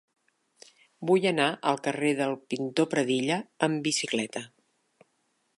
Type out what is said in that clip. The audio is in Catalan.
Vull anar al carrer del Pintor Pradilla amb bicicleta.